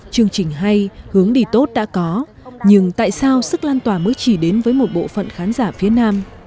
chương trình hay hướng đi tốt đã có nhưng tại sao sức lan tỏa mới chỉ đến với một bộ phận khán giả phía nam